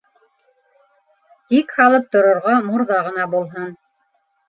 Тик һалып торорға мурҙа ғына булһын.